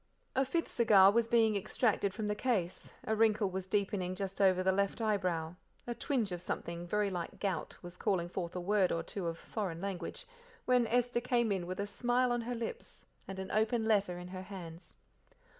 A fifth cigar was being extracted from the case, a wrinkle was deepening just over the left eyebrow, a twinge of something very like gout was calling forth a word or two of "foreign language," when Esther came in with a smile on her lips and an open letter in her hands.